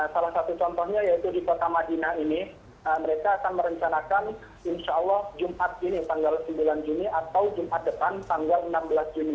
salah satu contohnya yaitu di kota madinah ini mereka akan merencanakan insya allah jumat ini tanggal sembilan juni atau jumat depan tanggal enam belas juni